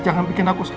jangan bikin aku sakit